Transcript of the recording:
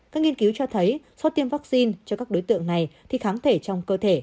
các nghiên cứu cho thấy sau tiêm vaccine cho các đối tượng này thì kháng thể trong cơ thể